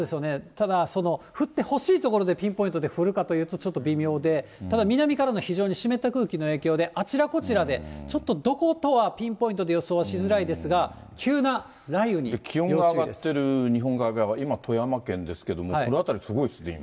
ただ、降ってほしい所でピンポイントで降るかというとちょっと微妙で、ただ、南からの非常に湿った空気の影響で、あちらこちらで、ちょっとどことはピンポイントで予想はしづらいですが、急な雷雨気温が上がってる日本海側、今、富山県ですけれども、この辺りすごいですね、今。